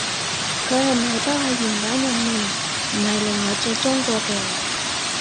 佢係唔係包喺原版入面，唔係另外再裝過嘅？